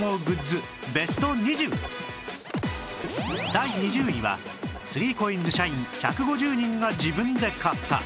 第２０位は ３ＣＯＩＮＳ 社員１５０人が自分で買った